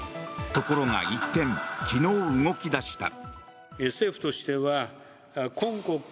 ところが一転昨日、動き出した。